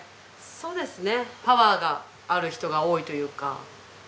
そうですね。